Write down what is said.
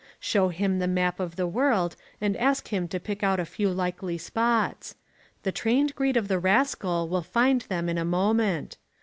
Show him the map of the world and ask him to pick out a few likely spots. The trained greed of the rascal will find them in a moment.